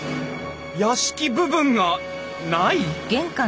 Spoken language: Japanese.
屋敷部分がない！？